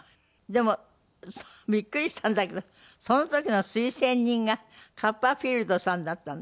でもびっくりしたんだけどその時の推薦人がカッパーフィールドさんだったんですって？